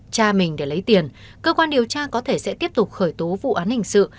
cha mình để lấy tiền cơ quan điều tra có thể sẽ tiếp tục khởi tố vụ án hình sự